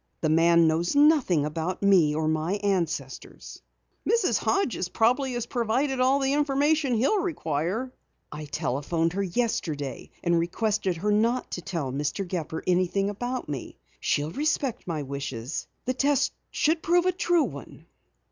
The man knows nothing about me or my ancestors." "Mrs. Hodges probably has provided all the information he'll require." "I telephoned her yesterday and requested her not to tell Mr. Gepper anything about me. She'll respect my wishes. The test should prove a true one."